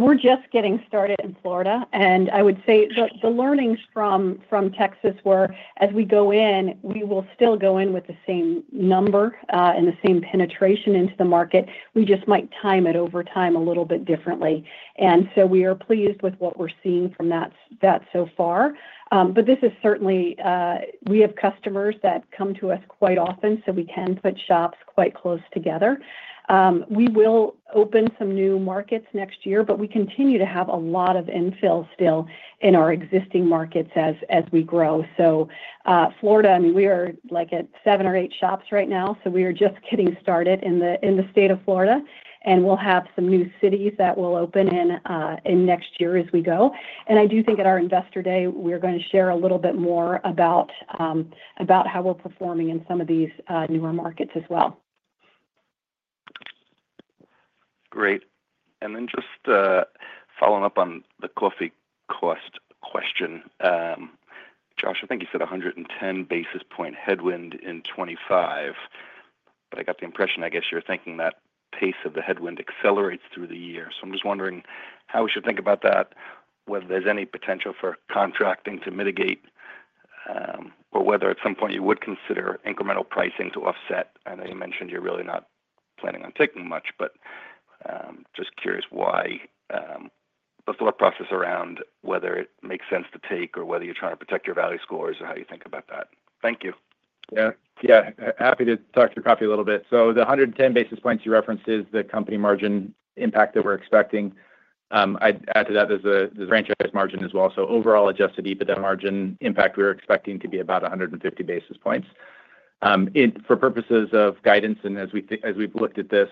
we're just getting started in Florida. And I would say the learnings from Texas were, as we go in, we will still go in with the same number and the same penetration into the market. We just might time it over time a little bit differently. And so we are pleased with what we're seeing from that so far. But this is certainly we have customers that come to us quite often, so we can put shops quite close together. We will open some new markets next year, but we continue to have a lot of infill still in our existing markets as we grow. So Florida, I mean, we are at seven or eight shops right now. So we are just getting started in the state of Florida. And we'll have some new cities that will open in next year as we go. And I do think at our Investor Day, we're going to share a little bit more about how we're performing in some of these newer markets as well. Great. And then just following up on the coffee cost question, Josh, I think you said 110 basis points headwind in 2025. But I got the impression, I guess you're thinking that pace of the headwind accelerates through the year. So I'm just wondering how we should think about that, whether there's any potential for contracting to mitigate, or whether at some point you would consider incremental pricing to offset. I know you mentioned you're really not planning on taking much, but just curious why, but still a process around whether it makes sense to take or whether you're trying to protect your value scores or how you think about that. Thank you. Yeah. Yeah. Happy to talk about coffee a little bit. So the 110 basis points you referenced is the company margin impact that we're expecting. I'd add to that there's a franchise margin as well. So overall Adjusted EBITDA margin impact we're expecting to be about 150 basis points. For purposes of guidance and as we've looked at this,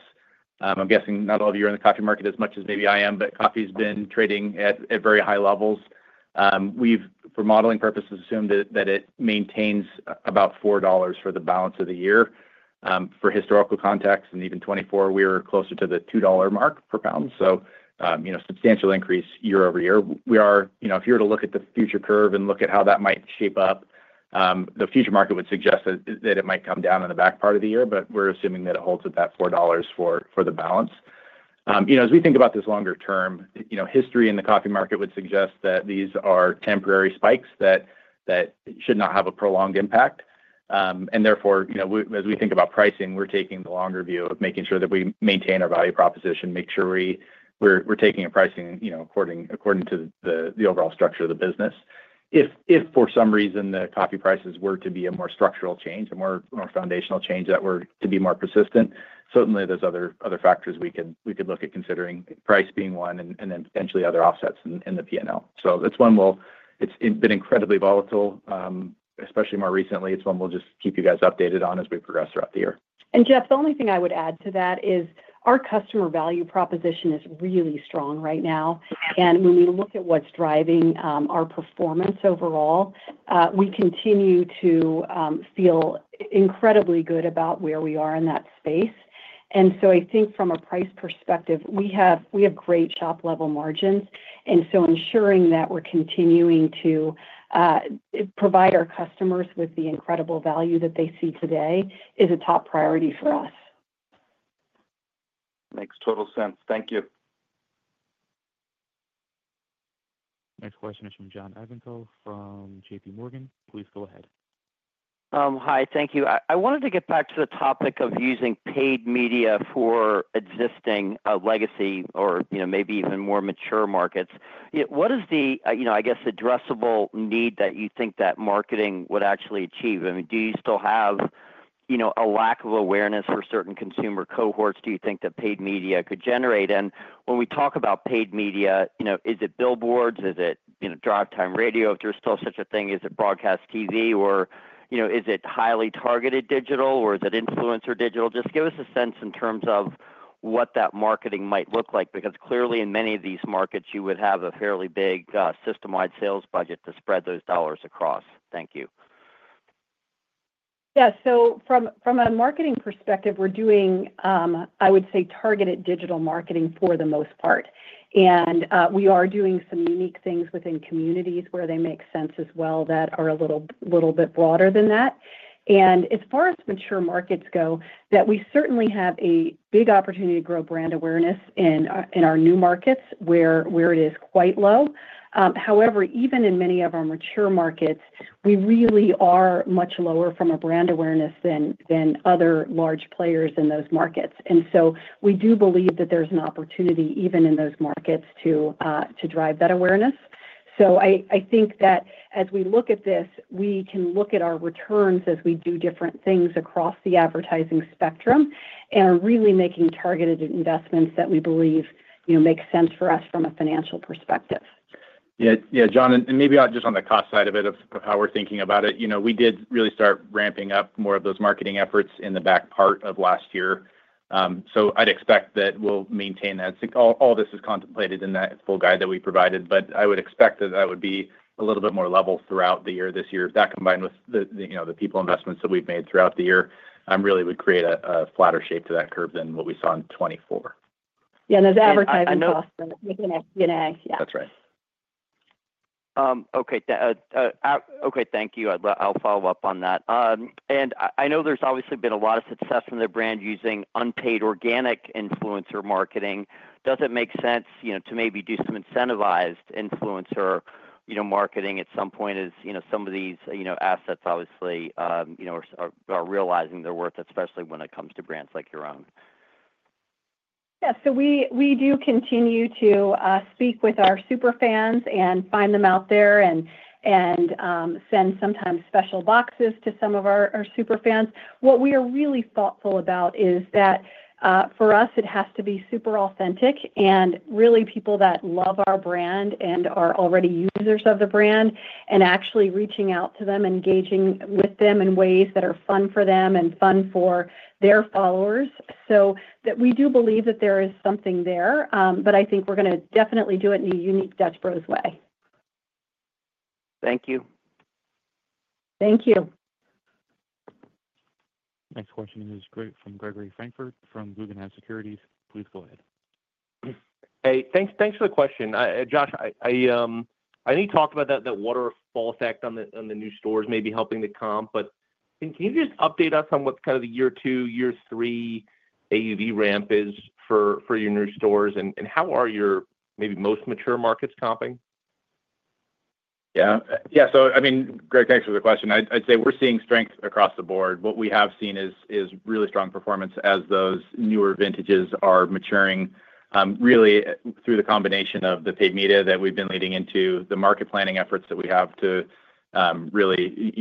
I'm guessing not all of you are in the coffee market as much as maybe I am, but coffee's been trading at very high levels. We've, for modeling purposes, assumed that it maintains about $4 for the balance of the year. For historical context, in 2024, we were closer to the $2 mark per pound. So substantial increase year-over-year. If you were to look at the future curve and look at how that might shape up, the future market would suggest that it might come down in the back part of the year, but we're assuming that it holds at that $4 for the balance. As we think about this longer term, history in the coffee market would suggest that these are temporary spikes that should not have a prolonged impact, and therefore, as we think about pricing, we're taking the longer view of making sure that we maintain our value proposition, make sure we're taking a pricing according to the overall structure of the business. If for some reason the coffee prices were to be a more structural change and more foundational change that were to be more persistent, certainly there's other factors we could look at considering price being one and then potentially other offsets in the P&L. So it's one. It's been incredibly volatile, especially more recently. It's one we'll just keep you guys updated on as we progress throughout the year, and Jeff, the only thing I would add to that is our customer value proposition is really strong right now, and when we look at what's driving our performance overall, we continue to feel incredibly good about where we are in that space, and so I think from a price perspective, we have great shop-level margins. And so ensuring that we're continuing to provide our customers with the incredible value that they see today is a top priority for us. Makes total sense. Thank you. Next question is from John Ivankoe from JPMorgan. Please go ahead. Hi. Thank you. I wanted to get back to the topic of using paid media for existing legacy or maybe even more mature markets. What is the, I guess, addressable need that you think that marketing would actually achieve? I mean, do you still have a lack of awareness for certain consumer cohorts? Do you think that paid media could generate? And when we talk about paid media, is it billboards? Is it drive-time radio? If there's still such a thing, is it broadcast TV? Or is it highly targeted digital? Or is it influencer digital? Just give us a sense in terms of what that marketing might look like because clearly in many of these markets, you would have a fairly big system-wide sales budget to spread those dollars across. Thank you. Yeah. So from a marketing perspective, we're doing, I would say, targeted digital marketing for the most part. And we are doing some unique things within communities where they make sense as well that are a little bit broader than that. And as far as mature markets go, that we certainly have a big opportunity to grow brand awareness in our new markets where it is quite low. However, even in many of our mature markets, we really are much lower from a brand awareness than other large players in those markets. And so we do believe that there's an opportunity even in those markets to drive that awareness. So I think that as we look at this, we can look at our returns as we do different things across the advertising spectrum and are really making targeted investments that we believe make sense for us from a financial perspective. Yeah. Yeah, John. And maybe just on the cost side of it, of how we're thinking about it, we did really start ramping up more of those marketing efforts in the back part of last year. So I'd expect that we'll maintain that. All this is contemplated in that full guide that we provided, but I would expect that that would be a little bit more level throughout the year this year. That combined with the people investments that we've made throughout the year really would create a flatter shape to that curve than what we saw in 2024. Yeah. And those advertising costs and the P&L. Yeah. That's right. Okay. Okay. Thank you. I'll follow up on that. And I know there's obviously been a lot of success from the brand using unpaid organic influencer marketing. Does it make sense to maybe do some incentivized influencer marketing at some point as some of these assets obviously are realizing their worth, especially when it comes to brands like your own? Yeah. So we do continue to speak with our super fans and find them out there and send sometimes special boxes to some of our super fans. What we are really thoughtful about is that for us, it has to be super authentic and really people that love our brand and are already users of the brand and actually reaching out to them, engaging with them in ways that are fun for them and fun for their followers. So we do believe that there is something there, but I think we're going to definitely do it in a unique Dutch Bros way. Thank you. Thank you. Next question is from Gregory Francfort from Guggenheim Securities.Please go ahead. Hey. Thanks for the question. Josh, I know you talked about that waterfall effect on the new stores maybe helping the comp, but can you just update us on what kind of the year two, year three AUV ramp is for your new stores? And how are your maybe most mature markets comping? Yeah. Yeah. So I mean, Greg, thanks for the question. I'd say we're seeing strength across the board. What we have seen is really strong performance as those newer vintages are maturing really through the combination of the paid media that we've been leading into, the market planning efforts that we have to really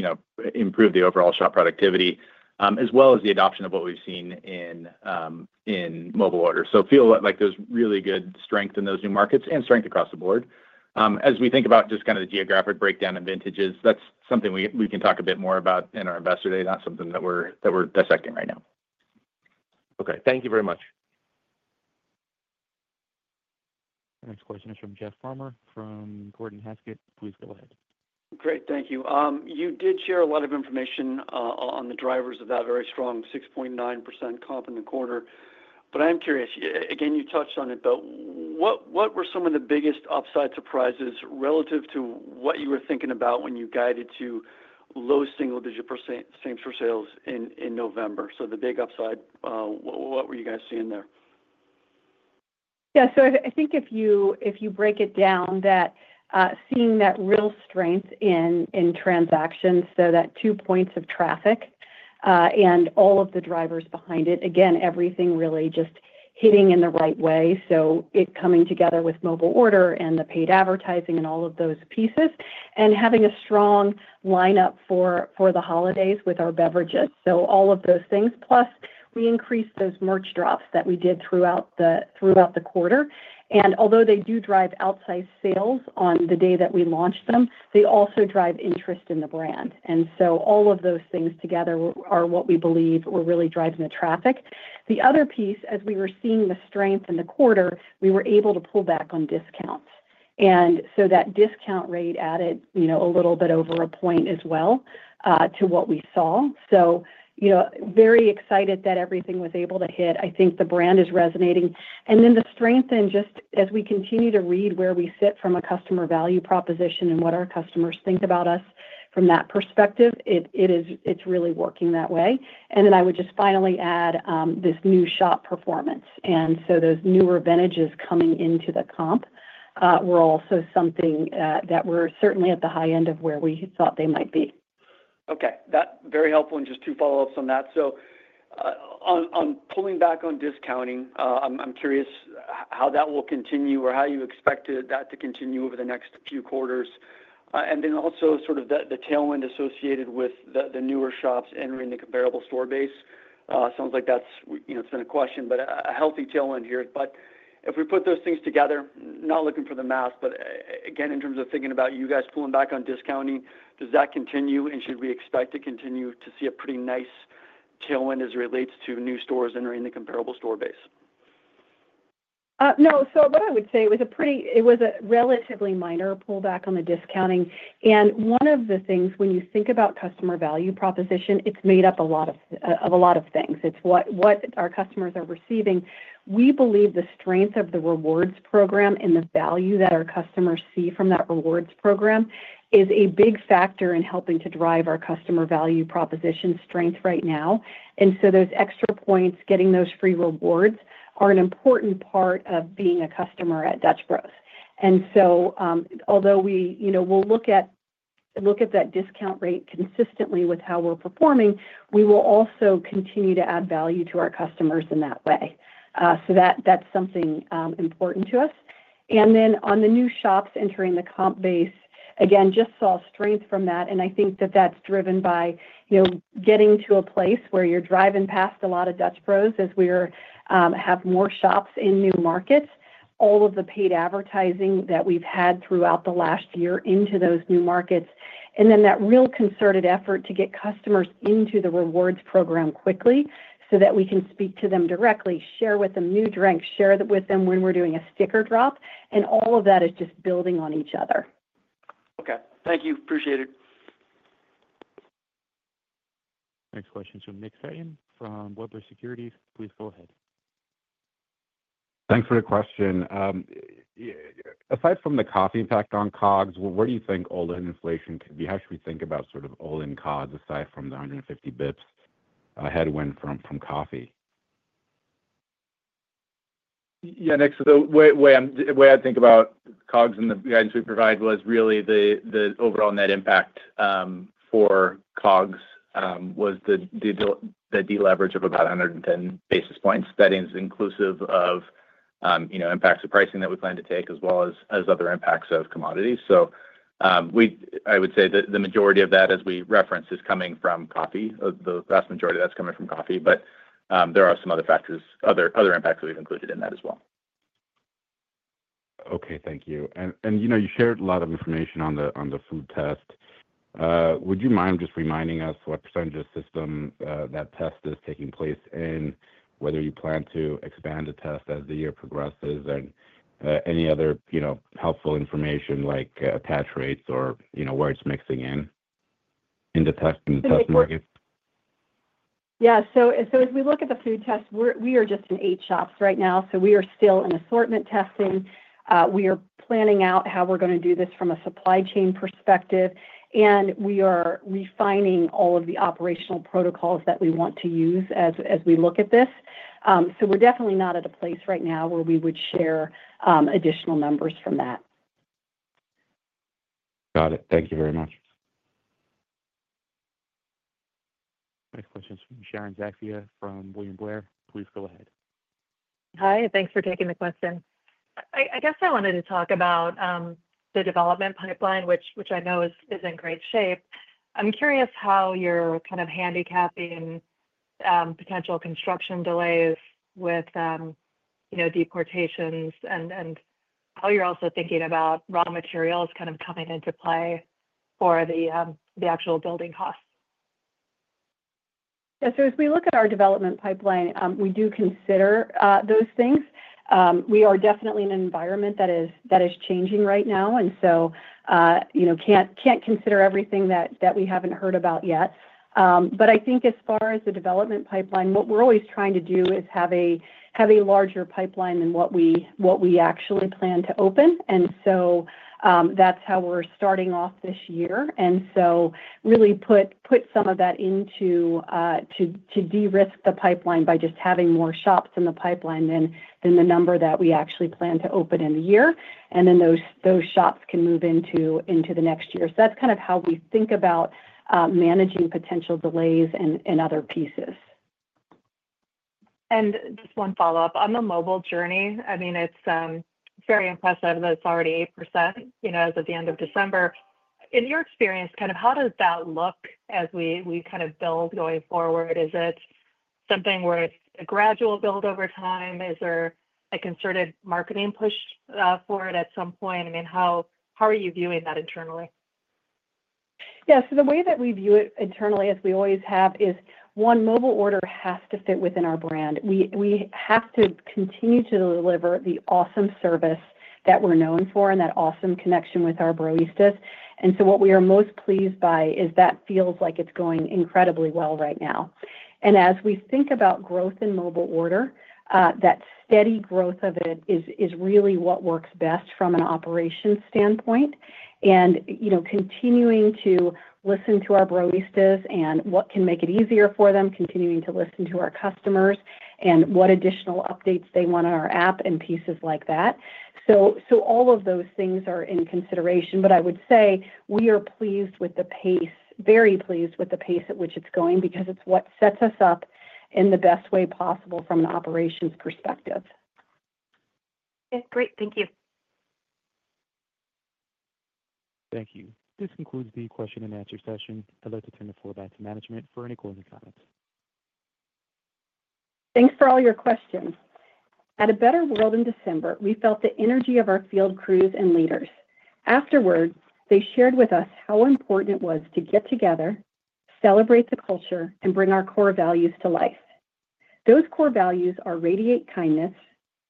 improve the overall shop productivity, as well as the adoption of what we've seen in mobile orders. So feel like there's really good strength in those new markets and strength across the board. As we think about just kind of the geographic breakdown of vintages, that's something we can talk a bit more about in our investor day. Not something that we're dissecting right now. Okay. Thank you very much. Next question is from Jeff Farmer from Gordon Haskett. Please go ahead. Great. Thank you. You did share a lot of information on the drivers of that very strong 6.9% comp in the quarter. But I'm curious, again, you touched on it, but what were some of the biggest upside surprises relative to what you were thinking about when you guided to low single-digit percent for sales in November? So the big upside, what were you guys seeing there?. Yeah. So, I think if you break it down, seeing that real strength in transactions, so that two points of traffic and all of the drivers behind it, again, everything really just hitting in the right way. So, it coming together with mobile order and the paid advertising and all of those pieces and having a strong lineup for the holidays with our beverages. So, all of those things. Plus, we increased those merch drops that we did throughout the quarter. And although they do drive upside sales on the day that we launched them, they also drive interest in the brand. And so, all of those things together are what we believe were really driving the traffic. The other piece, as we were seeing the strength in the quarter, we were able to pull back on discounts. And so that discount rate added a little bit over a point as well to what we saw. So very excited that everything was able to hit. I think the brand is resonating. And then the strength in just as we continue to read where we sit from a customer value proposition and what our customers think about us from that perspective, it's really working that way. And then I would just finally add this new shop performance. And so those newer vintages coming into the comp were also something that we're certainly at the high end of where we thought they might be. Okay. That's very helpful. And just two follow-ups on that. So on pulling back on discounting, I'm curious how that will continue or how you expect that to continue over the next few quarters. Then also sort of the tailwind associated with the newer shops entering the comparable store base. Sounds like that's, it's been a question, but a healthy tailwind here. But if we put those things together, not looking for the math, but again, in terms of thinking about you guys pulling back on discounting, does that continue? And should we expect to continue to see a pretty nice tailwind as it relates to new stores entering the comparable store base?. No. So what I would say is it was a relatively minor pullback on the discounting. And one of the things when you think about customer value proposition, it's made up of a lot of things. It's what our customers are receiving. We believe the strength of the rewards program and the value that our customers see from that rewards program is a big factor in helping to drive our customer value proposition strength right now. And so those extra points, getting those free rewards, are an important part of being a customer at Dutch Bros, and so although we'll look at that discount rate consistently with how we're performing, we will also continue to add value to our customers in that way, so that's something important to us, and then on the new shops entering the comp base, again, just saw strength from that. And I think that that's driven by getting to a place where you're driving past a lot of Dutch Bros as we have more shops in new markets, all of the paid advertising that we've had throughout the last year into those new markets, and then that real concerted effort to get customers into the rewards program quickly so that we can speak to them directly, share with them new drinks, share with them when we're doing a sticker drop. And all of that is just building on each other. Okay. Thank you. Appreciate it. Next question is from Nick Setyan from Wedbush Securities. Please go ahead. Thanks for the question. Aside from the coffee impact on COGS, where do you think all-in inflation could be? How should we think about sort of all-in COGS aside from the 150 basis points headwind from coffee? Yeah. Next, the way I think about COGS and the guidance we provide was really the overall net impact for COGS was the deleverage of about 110 basis points. That is inclusive of impacts of pricing that we plan to take as well as other impacts of commodities. So I would say the majority of that, as we referenced, is coming from coffee. The vast majority of that's coming from coffee. But there are some other factors, other impacts we've included in that as well. Okay. Thank you. And you shared a lot of information on the food test. Would you mind just reminding us what percentage of the system that test is taking place in, whether you plan to expand the test as the year progresses, and any other helpful information like attach rates or where it's mixing in the test market?. Yeah. So as we look at the food test, we are just in eight shops right now. So we are still in assortment testing. We are planning out how we're going to do this from a supply chain perspective. And we are refining all of the operational protocols that we want to use as we look at this. So we're definitely not at a place right now where we would share additional numbers from that. Got it. Thank you very much. Next question is from Sharon Zackfia from William Blair. Please go ahead. Hi. Thanks for taking the question. I guess I wanted to talk about the development pipeline, which I know is in great shape. I'm curious how you're kind of handicapping potential construction delays with deportations and how you're also thinking about raw materials kind of coming into play for the actual building costs. Yeah. As we look at our development pipeline, we do consider those things. We are definitely in an environment that is changing right now. And so we can't consider everything that we haven't heard about yet. But I think as far as the development pipeline, what we're always trying to do is have a larger pipeline than what we actually plan to open. And so that's how we're starting off this year. And so we really put some of that into de-risking the pipeline by just having more shops in the pipeline than the number that we actually plan to open in the year. And then those shops can move into the next year. So that's kind of how we think about managing potential delays and other pieces. And just one follow-up. On the mobile journey, I mean, it's very impressive that it's already 8% as of the end of December. In your experience, kind of how does that look as we kind of build going forward? Is it something where it's a gradual build over time? Is there a concerted marketing push for it at some point? I mean, how are you viewing that internally? Yeah. So the way that we view it internally, as we always have, is one mobile order has to fit within our brand. We have to continue to deliver the awesome service that we're known for and that awesome connection with our Browistas. And so what we are most pleased by is that feels like it's going incredibly well right now. And as we think about growth in mobile order, that steady growth of it is really what works best from an operations standpoint. Continuing to listen to our Browistas and what can make it easier for them, continuing to listen to our customers and what additional updates they want on our app and pieces like that. So all of those things are in consideration. But I would say we are pleased with the pace, very pleased with the pace at which it's going because it's what sets us up in the best way possible from an operations perspective. Okay. Great. Thank you. Thank you. This concludes the question and answer session. I'd like to turn the floor back to management for any closing comments. Thanks for all your questions. At our Better World in December, we felt the energy of our field crews and leaders. Afterwards, they shared with us how important it was to get together, celebrate the culture, and bring our core values to life. Those core values are radiate kindness,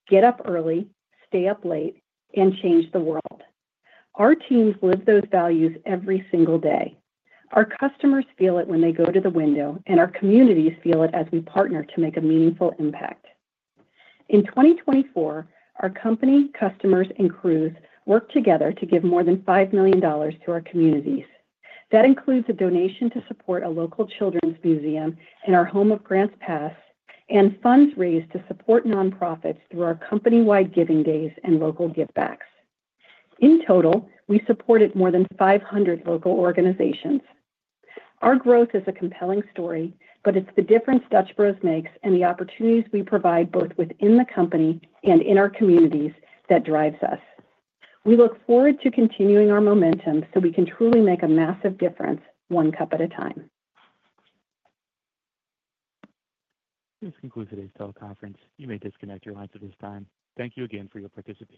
get up early, stay up late, and change the world. Our teams live those values every single day. Our customers feel it when they go to the window, and our communities feel it as we partner to make a meaningful impact. In 2024, our company, customers, and crews worked together to give more than $5 million to our communities. That includes a donation to support a local children's museum in our home of Grants Pass and funds raised to support nonprofits through our company-wide giving days and local give-backs. In total, we supported more than 500 local organizations. Our growth is a compelling story, but it's the difference Dutch Bros makes and the opportunities we provide both within the company and in our communities that drives us. We look forward to continuing our momentum so we can truly make a massive difference, one cup at a time. This concludes today's teleconference. You may disconnect your lines at this time. Thank you again for your participation.